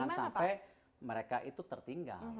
jangan sampai mereka itu tertinggal